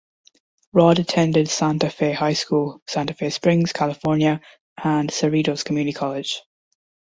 Rod attended Santa Fe High School, Santa Fe Springs, California and Cerritos Community College.